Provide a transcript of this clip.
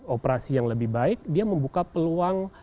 operasi yang lebih baik dia membuka peluang